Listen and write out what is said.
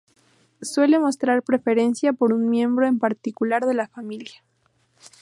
Suele mostrar preferencia por un miembro en particular de la familia.